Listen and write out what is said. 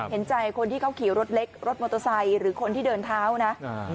เห็นใจคนที่เขาขี่รถเล็กรถมอเตอร์ไซค์หรือคนที่เดินเท้านะ